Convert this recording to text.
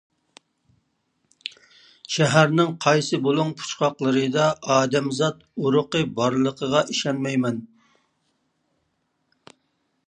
شەھەرنىڭ قايسى بۇلۇڭ-پۇچقاقلىرىدا ئادەمزات ئۇرۇقى بارلىقىغا ئىشەنمەيمەن.